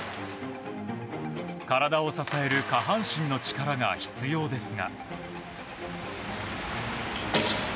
体を支える下半身の力が必要ですが。